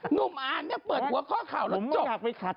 หนุ่มอ่านเนี่ยเปิดหัวข้อข่าวแล้วจบ